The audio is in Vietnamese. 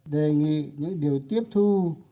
đề nghị những điều tiếp thu